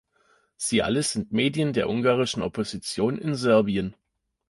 Sie alle sind Medien der ungarischen Opposition in Serbien.